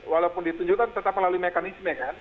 walaupun ditunjukkan tetap melalui mekanisme kan